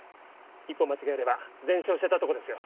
一歩間違えれば全焼してたとこですよ。